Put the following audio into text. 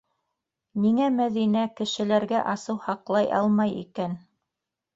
Ниңә Мәҙинә кешеләргә асыу һаҡлай алмай икән?